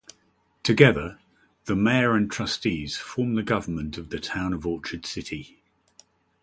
Together, the mayor and trustees, form the government of the Town of Orchard City.